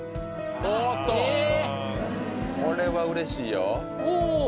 これはうれしいよおぉ！